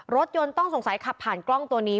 รถยนต์ต้องสงสัยขับผ่านกล้องตัวนี้